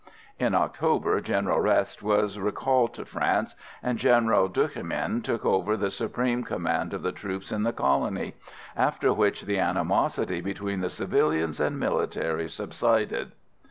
In October General Reste was recalled to France, and General Duchemin took over the supreme command of the troops in the colony, after which the animosity between the civilians and military subsided.